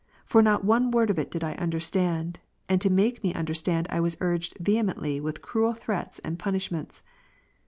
For not one word of it did I understand, and to make me understand I was urged vehemently with cruel threats and punishments.